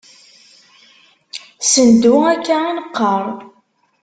Sendu akka i neqqar.